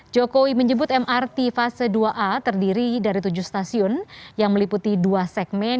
jokowi menyebut mrt fase dua a terdiri dari tujuh stasiun yang meliputi dua segmen